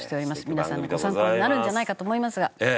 皆さんのご参考になるんじゃないかと思いますが。